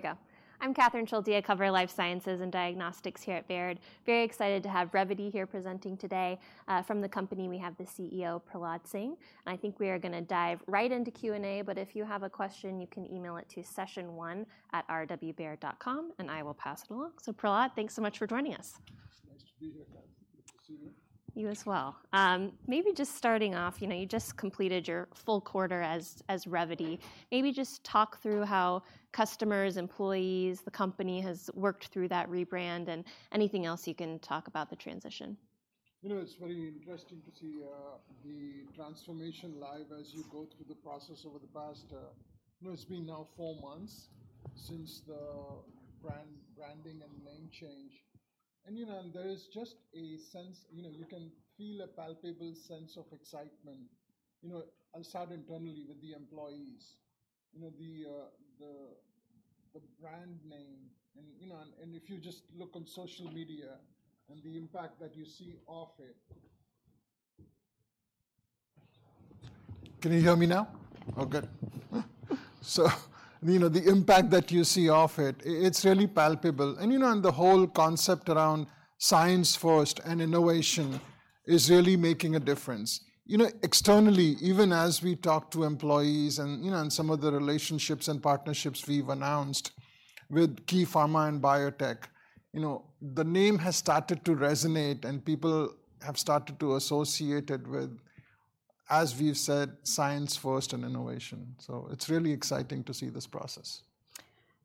Here we go. I'm Catherine Schulte. I cover life sciences and diagnostics here at Baird. Very excited to have Revvity here presenting today. From the company, we have the CEO, Prahlad Singh, and I think we are gonna dive right into Q&A, but if you have a question, you can email it to sessionone@rwbaird.com, and I will pass it along. Prahlad, thanks so much for joining us. It's nice to be here, Catherine. Good to see you. You as well. Maybe just starting off, you know, you just completed your full quarter as Revvity. Maybe just talk through how customers, employees, the company has worked through that rebrand, and anything else you can talk about the transition. You know, it's very interesting to see the transformation live as you go through the process over the past. You know, it's been now four months since the brand, branding and name change, and, you know, and there is just a sense, you know, you can feel a palpable sense of excitement, you know, outside internally with the employees. You know, the, the brand name and, you know, and, and if you just look on social media and the impact that you see of it... Can you hear me now? Oh, good. So, you know, the impact that you see of it, it's really palpable. And, you know, and the whole concept around science first and innovation is really making a difference. You know, externally, even as we talk to employees and, you know, and some of the relationships and partnerships we've announced with key pharma and biotech, you know, the name has started to resonate, and people have started to associate it with, as we've said, science first and innovation. So it's really exciting to see this process.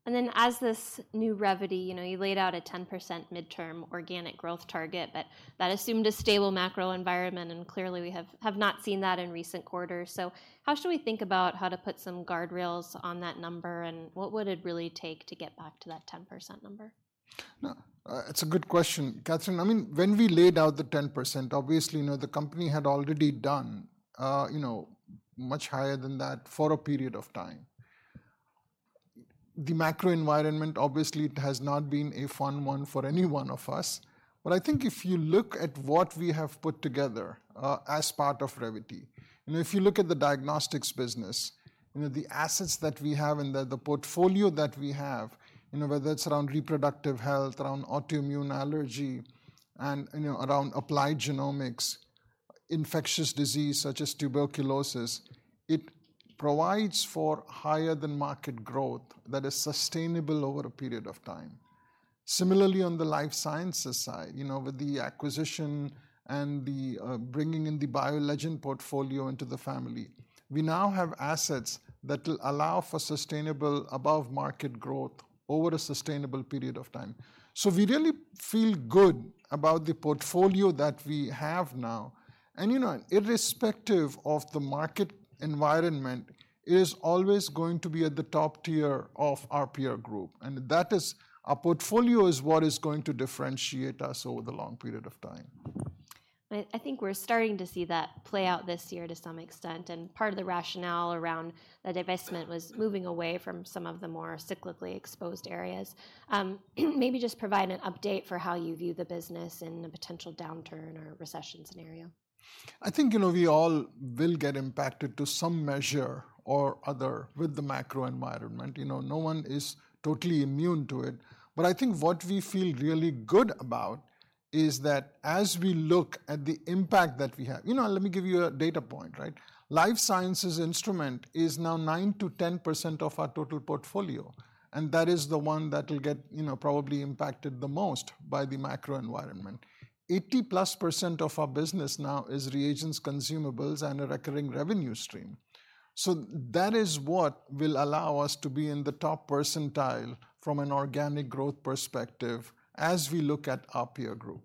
And then, as this new Revvity, you know, you laid out a 10% midterm organic growth target, but that assumed a stable macro environment, and clearly, we have not seen that in recent quarters. So how should we think about how to put some guardrails on that number, and what would it really take to get back to that 10% number? No, it's a good question, Catherine. I mean, when we laid out the 10%, obviously, you know, the company had already done, you know, much higher than that for a period of time. The macro environment, obviously, it has not been a fun one for any one of us. But I think if you look at what we have put together as part of Revvity, and if you look at the diagnostics business, you know, the assets that we have and the portfolio that we have, you know, whether it's around reproductive health, around autoimmune allergy, and, you know, around applied genomics, infectious disease such as tuberculosis, it provides for higher than market growth that is sustainable over a period of time. Similarly, on the life sciences side, you know, with the acquisition and the, bringing in the BioLegend portfolio into the family, we now have assets that will allow for sustainable above-market growth over a sustainable period of time. So we really feel good about the portfolio that we have now, and, you know, irrespective of the market environment, it is always going to be at the top tier of our peer group, and that is, our portfolio is what is going to differentiate us over the long period of time. I think we're starting to see that play out this year to some extent, and part of the rationale around the divestment was moving away from some of the more cyclically exposed areas. Maybe just provide an update for how you view the business in a potential downturn or recession scenario. I think, you know, we all will get impacted to some measure or other with the macro environment. You know, no one is totally immune to it. But I think what we feel really good about is that as we look at the impact that we have... You know, let me give you a data point, right? Life sciences instrument is now 9%-10% of our total portfolio, and that is the one that will get, you know, probably impacted the most by the macro environment. 80%+ of our business now is reagents, consumables, and a recurring revenue stream. So that is what will allow us to be in the top percentile from an organic growth perspective as we look at our peer group.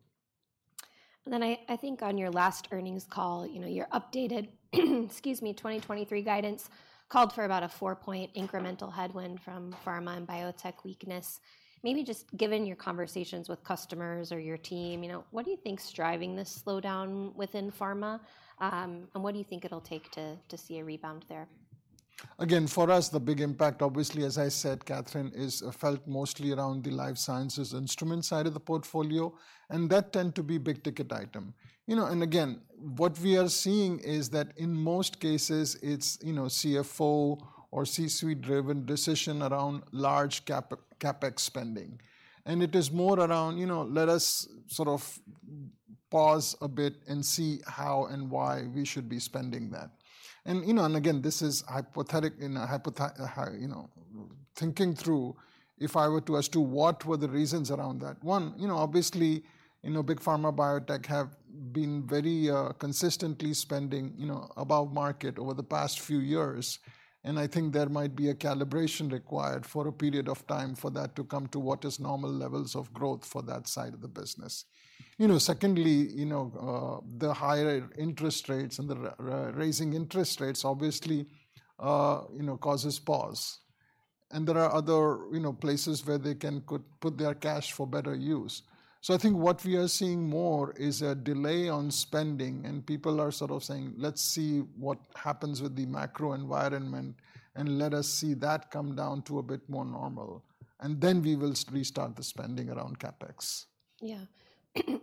Then I think on your last earnings call, you know, your updated, excuse me, 2023 guidance, called for about a four-point incremental headwind from pharma and biotech weakness. Maybe just given your conversations with customers or your team, you know, what do you think is driving this slowdown within pharma, and what do you think it'll take to see a rebound there? Again, for us, the big impact, obviously, as I said, Catherine, is felt mostly around the life sciences instrument side of the portfolio, and that tend to be big ticket item. You know, and again, what we are seeing is that in most cases it's, you know, CFO or C-suite-driven decision around large CapEx spending. And it is more around, you know, let us sort of pause a bit and see how and why we should be spending that. And, you know, and again, this is hypothetical, you know, thinking through, if I were to as to what were the reasons around that? One, you know, obviously, you know, big pharma, biotech have been very consistently spending, you know, above market over the past few years, and I think there might be a calibration required for a period of time for that to come to what is normal levels of growth for that side of the business. You know, secondly, you know, the higher interest rates and the raising interest rates obviously causes pause. And there are other, you know, places where they can put their cash for better use. So I think what we are seeing more is a delay on spending, and people are sort of saying, "Let's see what happens with the macro environment, and let us see that come down to a bit more normal, and then we will restart the spending around CapEx. Yeah.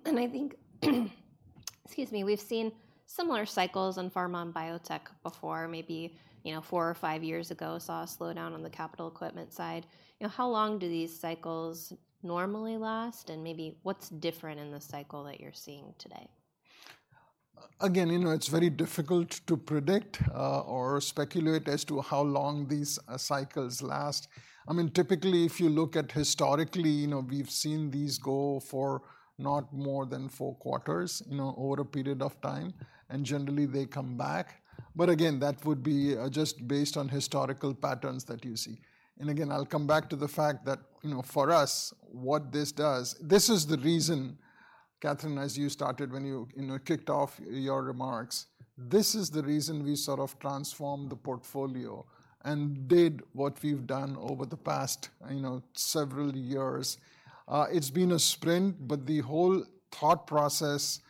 I think, excuse me, we've seen similar cycles in pharma and biotech before. Maybe, you know, four or five years ago, saw a slowdown on the capital equipment side. You know, how long do these cycles normally last? Maybe what's different in the cycle that you're seeing today? Again, you know, it's very difficult to predict or speculate as to how long these cycles last. I mean, typically, if you look at historically, you know, we've seen these go for not more than four quarters, you know, over a period of time, and generally, they come back. But again, that would be just based on historical patterns that you see. And again, I'll come back to the fact that, you know, for us, what this does, this is the reason, Catherine, as you started when you, you know, kicked off your remarks, this is the reason we sort of transformed the portfolio and did what we've done over the past, you know, several years. It's been a sprint, but the whole thought process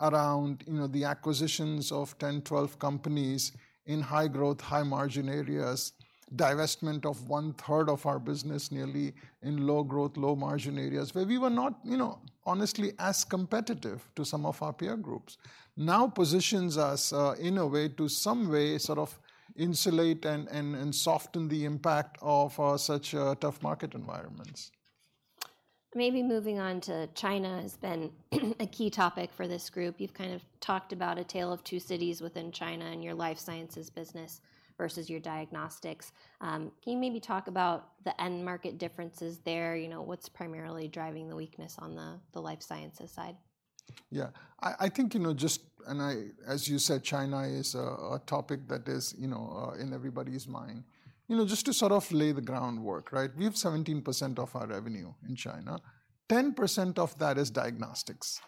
around, you know, the acquisitions of 10, 12 companies in high growth, high margin areas, divestment of one-third of our business nearly in low growth, low margin areas, where we were not, you know, honestly as competitive to some of our peer groups, now positions us, in a way, to some way, sort of insulate and, and soften the impact of, such a tough market environments. Maybe moving on to China has been a key topic for this group. You've kind of talked about a tale of two cities within China and your life sciences business versus your diagnostics. Can you maybe talk about the end market differences there? You know, what's primarily driving the weakness on the life sciences side? Yeah. I think, you know, as you said, China is a topic that is, you know, in everybody's mind. You know, just to sort of lay the groundwork, right? We have 17% of our revenue in China. 10% of that is diagnostics,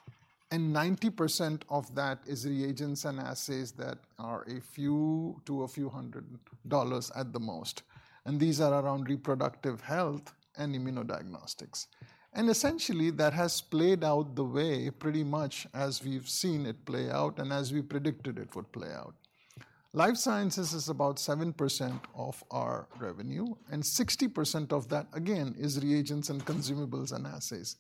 and 90% of that is reagents and assays that are a few to a few hundred dollars at the most, and these are around reproductive health and immunodiagnostics. Essentially, that has played out the way pretty much as we've seen it play out and as we predicted it would play out. Life sciences is about 7% of our revenue, and 60% of that, again, is reagents and consumables and assays.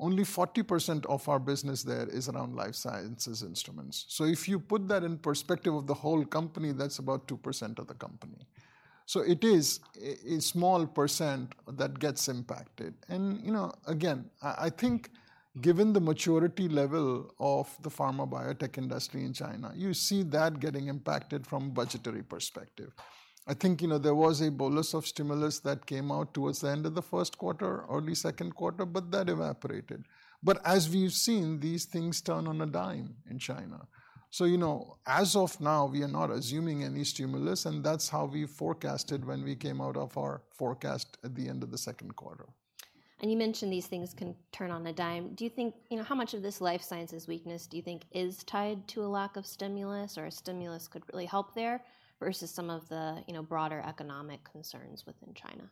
Only 40% of our business there is around life sciences instruments. So if you put that in perspective of the whole company, that's about 2% of the company. So it is a small percent that gets impacted. And, you know, again, I think given the maturity level of the pharma biotech industry in China, you see that getting impacted from a budgetary perspective. I think, you know, there was a bolus of stimulus that came out towards the end of the first quarter, early second quarter, but that evaporated. But as we've seen, these things turn on a dime in China. So, you know, as of now, we are not assuming any stimulus, and that's how we forecasted when we came out of our forecast at the end of the second quarter. You mentioned these things can turn on a dime. Do you think, you know, how much of this life sciences weakness do you think is tied to a lack of stimulus or a stimulus could really help there versus some of the, you know, broader economic concerns within China?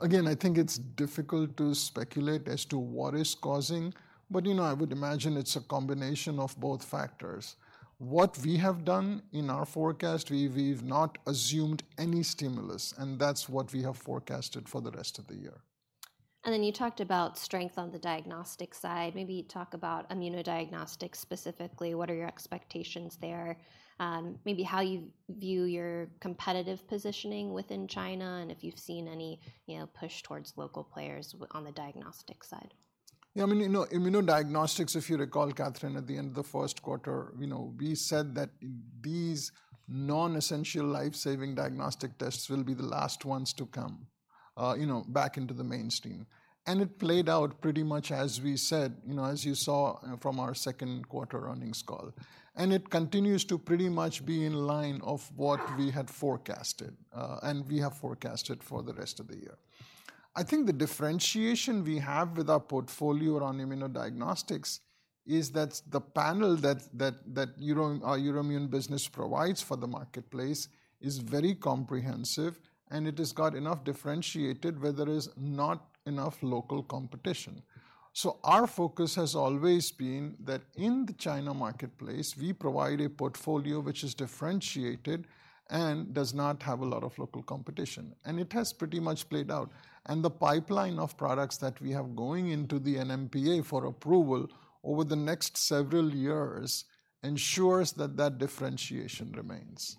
Again, I think it's difficult to speculate as to what is causing, but, you know, I would imagine it's a combination of both factors. What we have done in our forecast, we've not assumed any stimulus, and that's what we have forecasted for the rest of the year. Then you talked about strength on the diagnostic side. Maybe talk about immunodiagnostics specifically, what are your expectations there? Maybe how you view your competitive positioning within China and if you've seen any, you know, push towards local players on the diagnostic side. Yeah, I mean, you know, immunodiagnostics, if you recall, Catherine, at the end of the first quarter, you know, we said that these non-essential life-saving diagnostic tests will be the last ones to come, you know, back into the mainstream. It played out pretty much as we said, you know, as you saw from our second quarter earnings call. It continues to pretty much be in line of what we had forecasted, and we have forecasted for the rest of the year. I think the differentiation we have with our portfolio on immunodiagnostics is that the panel that our Euroimmun business provides for the marketplace is very comprehensive, and it has got enough differentiated where there is not enough local competition. Our focus has always been that in the China marketplace, we provide a portfolio which is differentiated and does not have a lot of local competition, and it has pretty much played out. The pipeline of products that we have going into the NMPA for approval over the next several years ensures that that differentiation remains.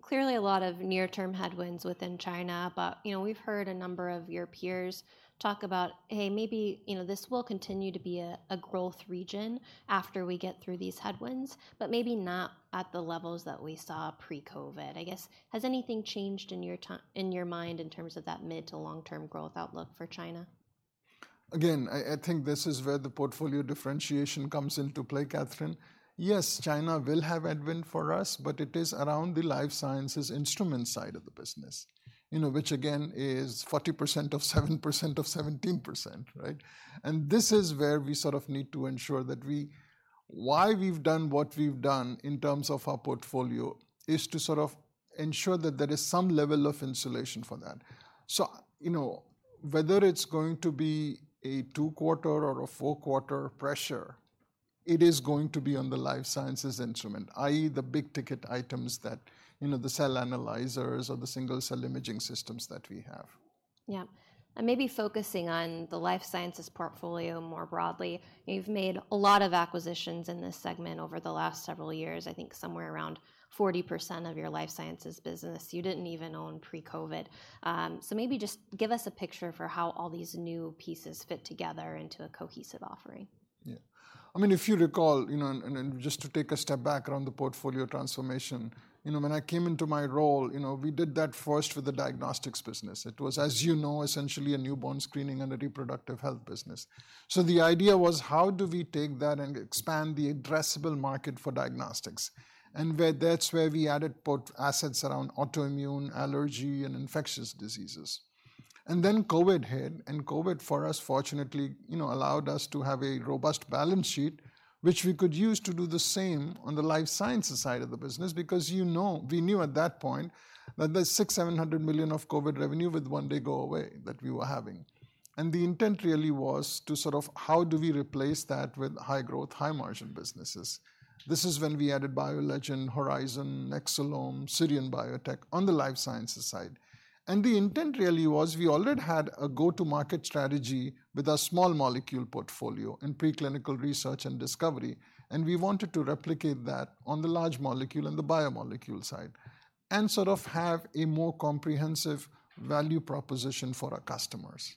Clearly, a lot of near-term headwinds within China, but, you know, we've heard a number of your peers talk about, "Hey, maybe, you know, this will continue to be a growth region after we get through these headwinds, but maybe not at the levels that we saw pre-COVID." I guess, has anything changed in your mind in terms of that mid to long-term growth outlook for China? Again, I, I think this is where the portfolio differentiation comes into play, Catherine. Yes, China will have headwind for us, but it is around the life sciences instrument side of the business, you know, which again, is 40% of 7% of 17%, right? And this is where we sort of need to ensure that we—why we've done what we've done in terms of our portfolio is to sort of ensure that there is some level of insulation for that. So, you know, whether it's going to be a two-quarter or a four-quarter pressure, it is going to be on the life sciences instrument, i.e., the big-ticket items that, you know, the cell analyzers or the single-cell imaging systems that we have. Yeah. And maybe focusing on the life sciences portfolio more broadly, you've made a lot of acquisitions in this segment over the last several years, I think somewhere around 40% of your life sciences business you didn't even own pre-COVID. So maybe just give us a picture for how all these new pieces fit together into a cohesive offering. Yeah. I mean, if you recall, you know, and just to take a step back around the portfolio transformation, you know, when I came into my role, you know, we did that first with the diagnostics business. It was, as you know, essentially a newborn screening and a reproductive health business. So the idea was: How do we take that and expand the addressable market for diagnostics? And where—that's where we added portfolio assets around autoimmune, allergy, and infectious diseases. And then COVID hit, and COVID, for us, fortunately, you know, allowed us to have a robust balance sheet, which we could use to do the same on the life sciences side of the business, because, you know, we knew at that point that the $600-700 million of COVID revenue would one day go away, that we were having. The intent really was to sort of: How do we replace that with high-growth, high-margin businesses? This is when we added BioLegend, Horizon, Nexcelom, Sirion Biotech on the life sciences side. The intent really was we already had a go-to-market strategy with a small molecule portfolio in preclinical research and discovery, and we wanted to replicate that on the large molecule and the biomolecule side, and sort of have a more comprehensive value proposition for our customers.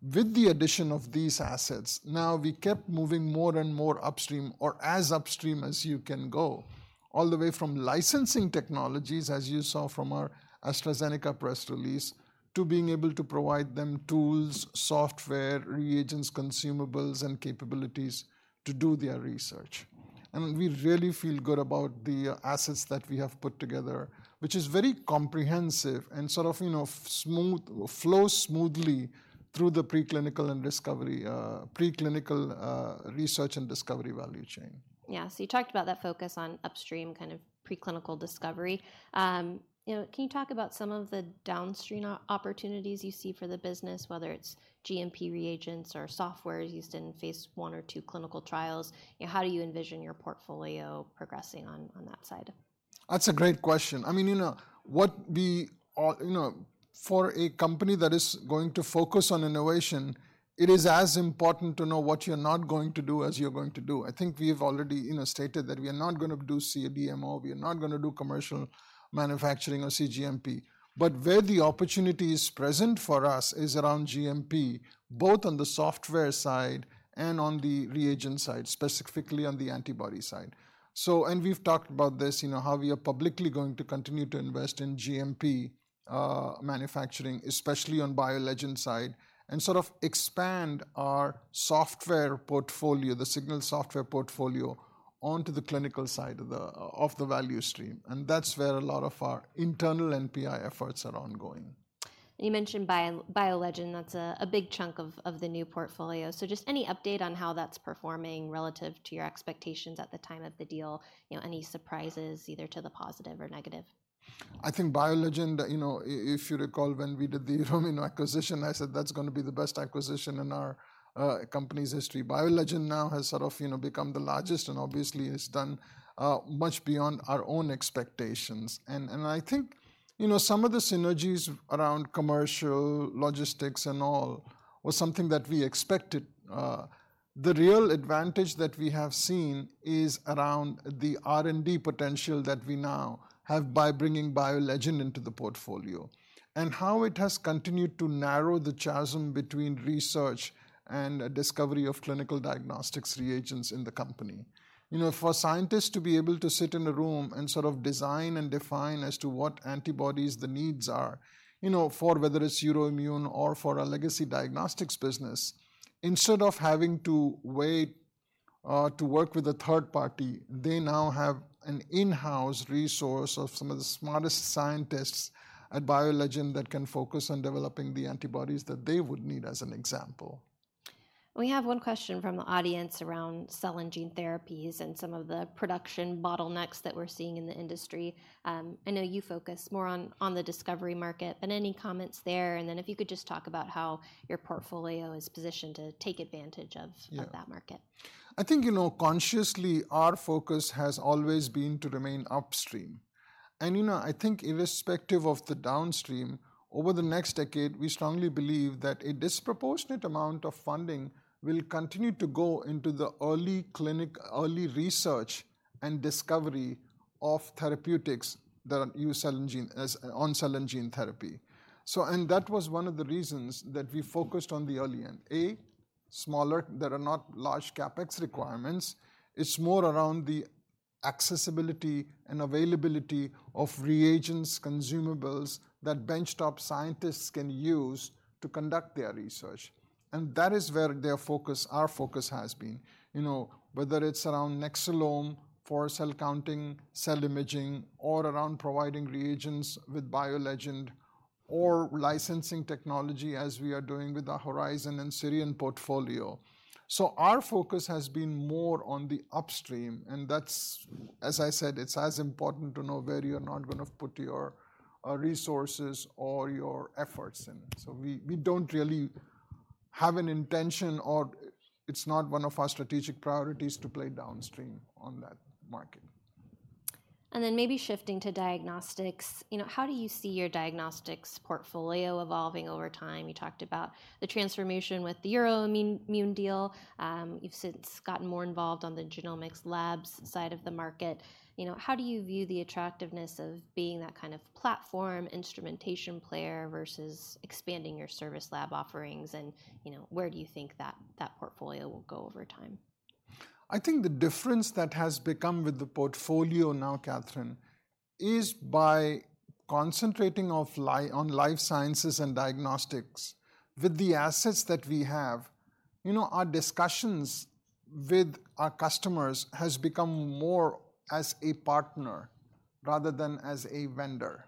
With the addition of these assets, now we kept moving more and more upstream, or as upstream as you can go, all the way from licensing technologies, as you saw from our AstraZeneca press release, to being able to provide them tools, software, reagents, consumables, and capabilities to do their research. We really feel good about the assets that we have put together, which is very comprehensive and sort of, you know, smooth, flows smoothly through the preclinical research and discovery value chain. Yeah. So you talked about that focus on upstream, kind of preclinical discovery. You know, can you talk about some of the downstream opportunities you see for the business, whether it's GMP reagents or software used in phase one or two clinical trials? You know, how do you envision your portfolio progressing on that side? That's a great question. I mean, you know, what we all-- You know, for a company that is going to focus on innovation, it is as important to know what you're not going to do as you're going to do. I think we've already, you know, stated that we are not gonna do CDMO, we are not gonna do commercial manufacturing or cGMP. But where the opportunity is present for us is around GMP, both on the software side and on the reagent side, specifically on the antibody side. So-- and we've talked about this, you know, how we are publicly going to continue to invest in GMP manufacturing, especially on BioLegend side, and sort of expand our software portfolio, the Signals software portfolio, onto the clinical side of the value stream, and that's where a lot of our internal NPI efforts are ongoing. You mentioned BioLegend, that's a big chunk of the new portfolio. So just any update on how that's performing relative to your expectations at the time of the deal? You know, any surprises, either to the positive or negative? I think BioLegend, you know, if you recall, when we did the Euroimmun acquisition, I said that's gonna be the best acquisition in our company's history. BioLegend now has sort of, you know, become the largest and obviously has done much beyond our own expectations. And I think, you know, some of the synergies around commercial, logistics, and all, was something that we expected. The real advantage that we have seen is around the R&D potential that we now have by bringing BioLegend into the portfolio, and how it has continued to narrow the chasm between research and discovery of clinical diagnostics reagents in the company. You know, for scientists to be able to sit in a room and sort of design and define as to what antibodies the needs are, you know, for whether it's Euroimmun or for our legacy diagnostics business, instead of having to wait, to work with a third party, they now have an in-house resource of some of the smartest scientists at BioLegend that can focus on developing the antibodies that they would need, as an example. We have one question from the audience around cell and gene therapies and some of the production bottlenecks that we're seeing in the industry. I know you focus more on, on the discovery market, but any comments there? And then if you could just talk about how your portfolio is positioned to take advantage of- Yeah... that market. I think, you know, consciously, our focus has always been to remain upstream. You know, I think irrespective of the downstream, over the next decade, we strongly believe that a disproportionate amount of funding will continue to go into the early clinic, early research and discovery of therapeutics that use cell and gene, as, on cell and gene therapy. So, and that was one of the reasons that we focused on the early end. A, smaller, there are not large CapEx requirements. It's more around the accessibility and availability of reagents, consumables that bench-top scientists can use to conduct their research. And that is where their focus, our focus has been. You know, whether it's around Nexcelom for cell counting, cell imaging, or around providing reagents with BioLegend, or licensing technology as we are doing with the Horizon and Sirion portfolio. So our focus has been more on the upstream, and that's, as I said, it's as important to know where you're not gonna put your resources or your efforts in. So we don't really have an intention, or it's not one of our strategic priorities to play downstream on that market. And then maybe shifting to diagnostics, you know, how do you see your diagnostics portfolio evolving over time? You talked about the transformation with the Euroimmun acquisition deal. You've since gotten more involved on the genomics labs side of the market. You know, how do you view the attractiveness of being that kind of platform instrumentation player versus expanding your service lab offerings? And, you know, where do you think that portfolio will go over time? I think the difference that has become with the portfolio now, Catherine, is by concentrating on life sciences and diagnostics, with the assets that we have, you know, our discussions with our customers has become more as a partner rather than as a vendor.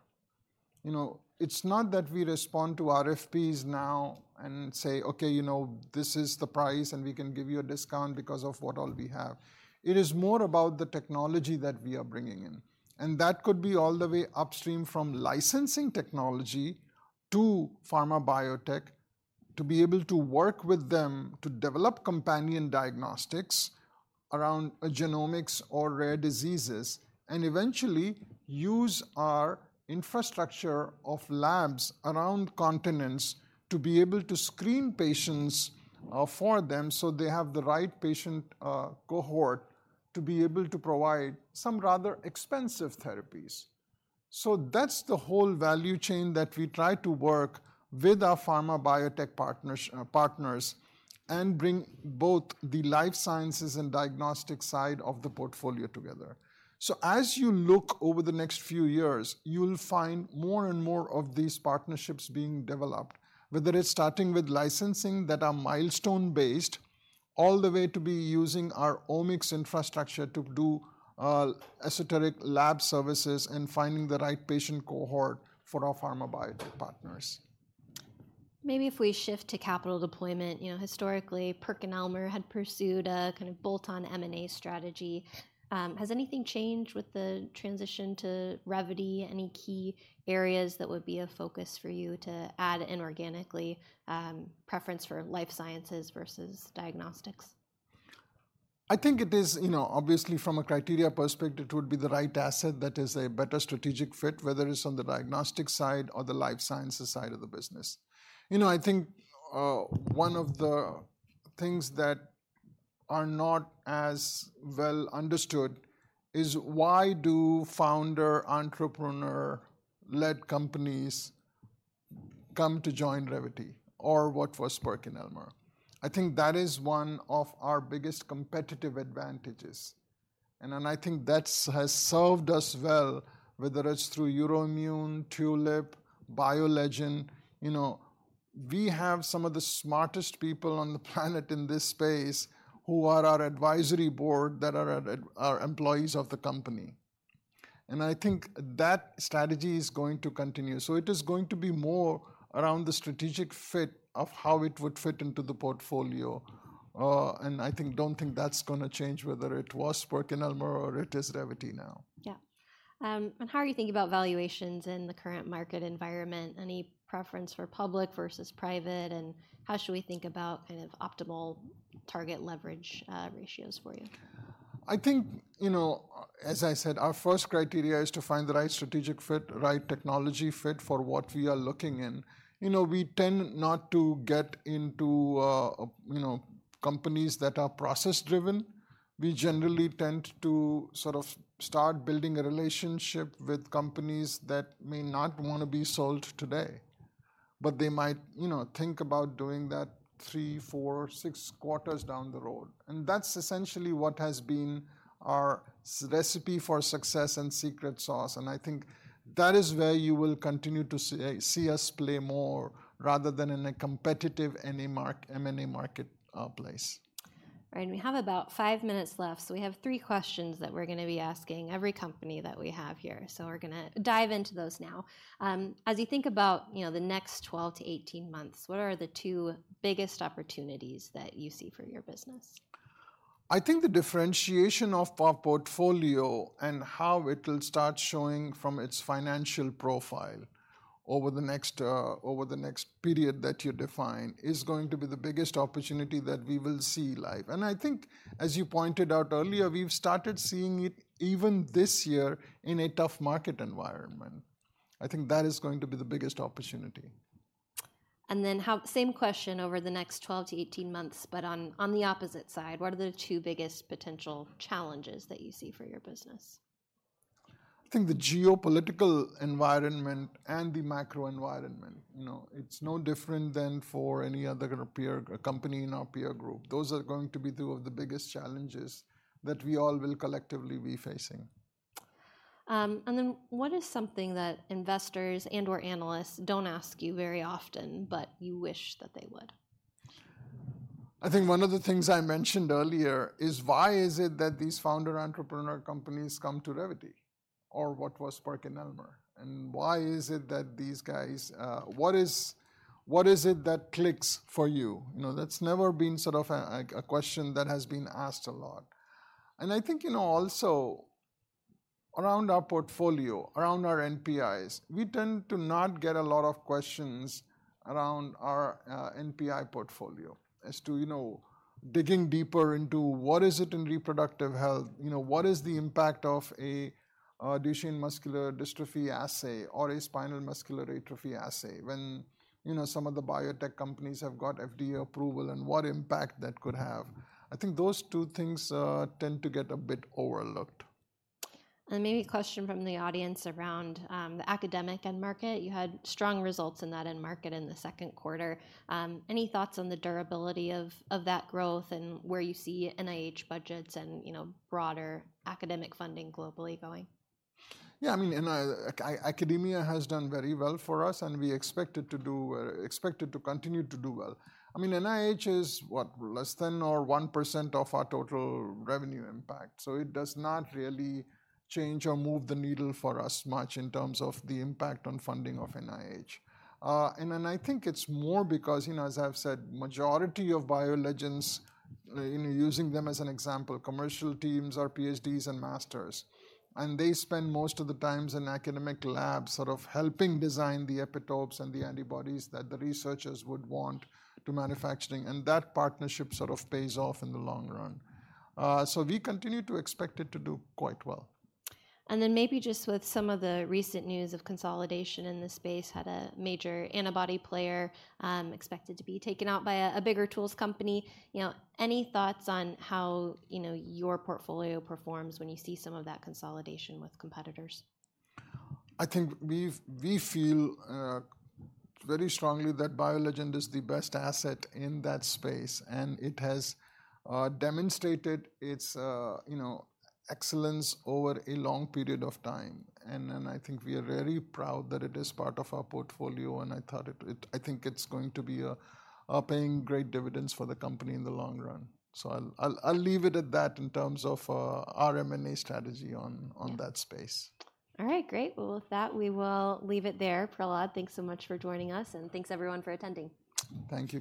You know, it's not that we respond to RFPs now and say: "Okay, you know, this is the price, and we can give you a discount because of what all we have." It is more about the technology that we are bringing in, and that could be all the way upstream from licensing technology to pharma biotech, to be able to work with them to develop companion diagnostics around a genomics or rare diseases, and eventually use our infrastructure of labs around continents to be able to screen patients, for them, so they have the right patient, cohort to be able to provide some rather expensive therapies. So that's the whole value chain that we try to work with our pharma biotech partners, partners, and bring both the life sciences and diagnostic side of the portfolio together. As you look over the next few years, you'll find more and more of these partnerships being developed, whether it's starting with licensing that are milestone-based, all the way to be using our omics infrastructure to do esoteric lab services and finding the right patient cohort for our pharma biotech partners. Maybe if we shift to capital deployment, you know, historically, PerkinElmer had pursued a kind of bolt-on M&A strategy. Has anything changed with the transition to Revvity? Any key areas that would be a focus for you to add inorganically, preference for life sciences versus diagnostics? I think it is, you know, obviously from a criteria perspective, it would be the right asset that is a better strategic fit, whether it's on the diagnostic side or the life sciences side of the business. You know, I think, one of the things that are not as well understood is why do founder, entrepreneur-led companies come to join Revvity or what was PerkinElmer? I think that is one of our biggest competitive advantages, and then I think that has served us well, whether it's through Euroimmun, Tulip, BioLegend. You know, we have some of the smartest people on the planet in this space who are our advisory board, that are employees of the company. And I think that strategy is going to continue. So it is going to be more around the strategic fit of how it would fit into the portfolio. I don't think that's gonna change whether it was PerkinElmer or it is Revvity now. Yeah. And how are you thinking about valuations in the current market environment? Any preference for public versus private, and how should we think about kind of optimal target leverage ratios for you? I think, you know, as I said, our first criteria is to find the right strategic fit, right technology fit for what we are looking in. You know, we tend not to get into, you know, companies that are process-driven. We generally tend to sort of start building a relationship with companies that may not wanna be sold today, but they might, you know, think about doing that three, four, six quarters down the road. And that's essentially what has been our secret recipe for success and secret sauce, and I think that is where you will continue to see us play more rather than in a competitive, any M&A marketplace. Right. And we have about five minutes left, so we have three questions that we're gonna be asking every company that we have here. So we're gonna dive into those now. As you think about, you know, the next 12-18 months, what are the two biggest opportunities that you see for your business? I think the differentiation of our portfolio and how it'll start showing from its financial profile over the next period that you define is going to be the biggest opportunity that we will see live. I think, as you pointed out earlier, we've started seeing it even this year in a tough market environment. I think that is going to be the biggest opportunity. And then, same question over the next 12-18 months, but on the opposite side, what are the two biggest potential challenges that you see for your business? I think the geopolitical environment and the macro environment, you know, it's no different than for any other peer company in our peer group. Those are going to be two of the biggest challenges that we all will collectively be facing. What is something that investors and/or analysts don't ask you very often, but you wish that they would? I think one of the things I mentioned earlier is: Why is it that these founder entrepreneur companies come to Revvity or what was PerkinElmer? And why is it that these guys... what is it that clicks for you? You know, that's never been sort of a question that has been asked a lot. And I think, you know, also around our portfolio, around our NPIs. We tend to not get a lot of questions around our NPI portfolio as to, you know, digging deeper into what is it in reproductive health, you know, what is the impact of a Duchenne Muscular Dystrophy assay or a spinal muscular atrophy assay, when, you know, some of the biotech companies have got FDA approval, and what impact that could have? I think those two things tend to get a bit overlooked. Maybe a question from the audience around the academic end market. You had strong results in that end market in the second quarter. Any thoughts on the durability of that growth and where you see NIH budgets and, you know, broader academic funding globally going? Yeah, I mean, academia has done very well for us, and we expect it to do, expect it to continue to do well. I mean, NIH is what? Less than or 1% of our total revenue impact, so it does not really change or move the needle for us much in terms of the impact on funding of NIH. And then I think it's more because, you know, as I've said, majority of BioLegend's, using them as an example, commercial teams are PhDs and masters, and they spend most of the times in academic labs sort of helping design the epitopes and the antibodies that the researchers would want to manufacturing, and that partnership sort of pays off in the long run. So we continue to expect it to do quite well. And then maybe just with some of the recent news of consolidation in the space, had a major antibody player, expected to be taken out by a, a bigger tools company. You know, any thoughts on how, you know, your portfolio performs when you see some of that consolidation with competitors? I think we feel very strongly that BioLegend is the best asset in that space, and it has demonstrated its, you know, excellence over a long period of time. I think we are very proud that it is part of our portfolio, and I thought it I think it's going to be paying great dividends for the company in the long run. So I'll leave it at that in terms of our M&A strategy on- Yeah... on that space. All right, great. Well, with that, we will leave it there. Prahlad, thanks so much for joining us, and thanks everyone for attending. Thank you.